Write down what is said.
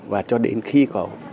và cho đến khi có